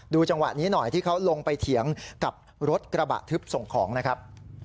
จังหวะนี้หน่อยที่เขาลงไปเถียงกับรถกระบะทึบส่งของนะครับ